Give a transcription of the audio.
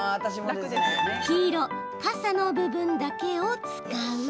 黄色かさの部分だけを使う。